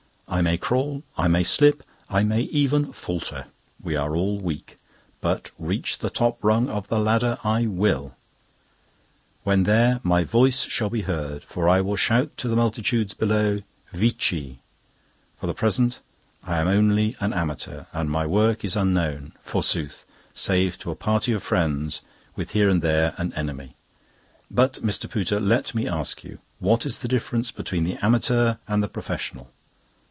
I may crawl, I may slip, I may even falter (we are all weak), but reach the top rung of the ladder I will!!! When there, my voice shall be heard, for I will shout to the multitudes below: 'Vici!' For the present I am only an amateur, and my work is unknown, forsooth, save to a party of friends, with here and there an enemy. "But, Mr. Pooter, let me ask you, 'What is the difference between the amateur and the professional?